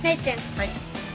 はい。